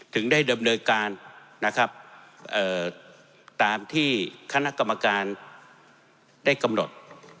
ถึงได้ดำเนินการนะครับตามที่คณะกรรมการได้กำหนด